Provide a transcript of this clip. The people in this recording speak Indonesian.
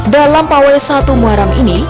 dalam pawai satu muharam ini